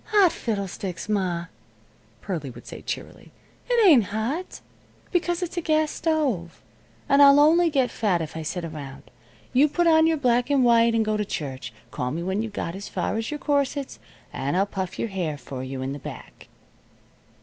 "Hot fiddlesticks, ma," Pearlie would say, cheerily. "It ain't hot, because it's a gas stove. And I'll only get fat if I sit around. You put on your black and white and go to church. Call me when you've got as far as your corsets, and I'll puff your hair for you in the back."